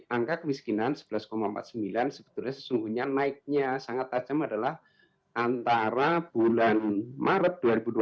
angka kemiskinan sebelas empat puluh sembilan sebetulnya sesungguhnya naiknya sangat tajam adalah antara bulan maret